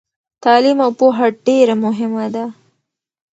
تعلیم او پوهه ډیره مهمه ده.